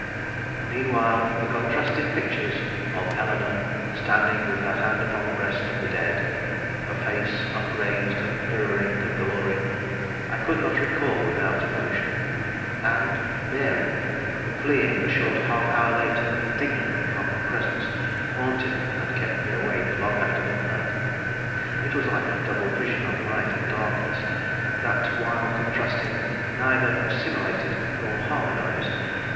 Meanwhile the contrasted pictures of Eleanore standing with her hand upon the breast of the dead, her face upraised and mirroring a glory, I could not recall without emotion; and Mary, fleeing a short half hour later indignantly from her presence, haunted me and kept me awake long after midnight. It was like a double vision of light and darkness that, while contrasting, neither assimilated nor harmonized.